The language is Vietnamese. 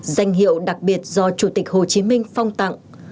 danh hiệu đặc biệt do chủ tịch hồ chí minh phong tặng